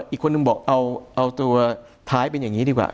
อีกคนนึงบอกเอาตัวท้ายเป็นอย่างนี้ดีกว่า